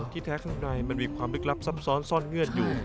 แท้ข้างในมันมีความลึกลับซ้ำซ้อนซ่อนเงื่อนอยู่